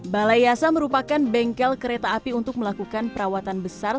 balai yasa merupakan bengkel kereta api untuk melakukan perawatan besar